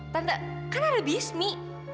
tanda kan ada bismi